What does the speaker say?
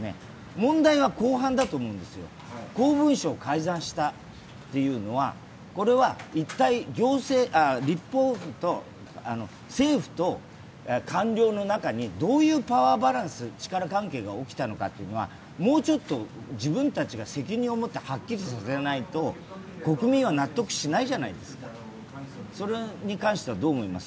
問題は後半だと思うんですよ、公文書を改ざんしたというのは、これは一体、立法府と政府と官僚の中にどういうパワーバランス、力関係が起きたのかっていうのはもうちょっと自分たちが責任を持ってはっきりさせないと国民は納得しないじゃないですか、それに関してはどう思います？